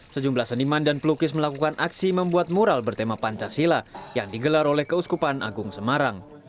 sejumlah seniman dan pelukis melakukan aksi membuat mural bertema pancasila yang digelar oleh keuskupan agung semarang